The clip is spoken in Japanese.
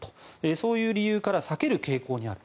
そういう理由から避ける傾向にある。